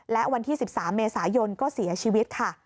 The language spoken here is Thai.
และวันที่๑๓เมษายนก็เสียชีวิตค่ะ